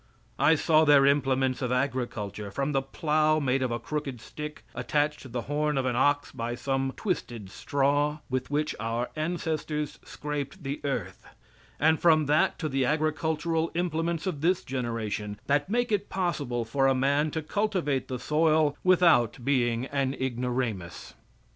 I saw their implements of agriculture, from the plow made of a crooked stick, attached to the horn of an ox by some twisted straw, with which our ancestors scraped the earth, and from that to the agricultural implements of this generation, that make it possible for a man to cultivate the soil without being an ignoramus.